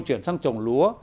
truyền sang trồng lúa